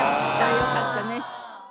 「よかったね」